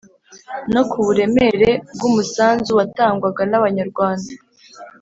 no ku buremere bw’umusanzu watangwaga n’Abanyarwanda